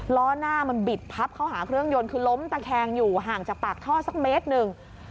ล้อหน้ามันบิดพับเข้าหาเครื่องยนต์คือล้มตะแคงอยู่ห่างจากปากท่อสักเมตรหนึ่ง